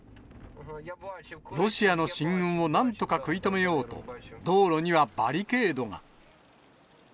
ロシアの進軍をなんとか食い止めようと、道路にはバリケードが。